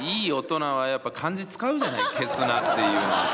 「消すな」っていうのはさ。